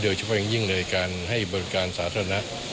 โดยเฉพาะอย่างยิ่งเลยการให้บริการสาธารณะ